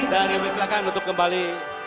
terima kasih dan silakan tutup kembali